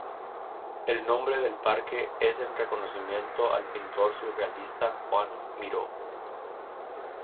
El nombre del parque es en reconocimiento al pintor surrealista Joan Miró.